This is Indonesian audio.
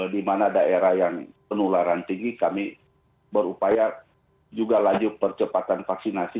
di mana daerah yang penularan tinggi kami berupaya juga laju percepatan vaksinasi